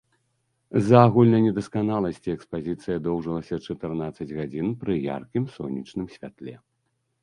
З-за агульнай недасканаласці экспазіцыя доўжылася чатырнаццаць гадзін пры яркім сонечным святле.